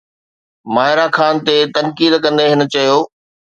ماهرا خان تي تنقيد ڪندي هن چيو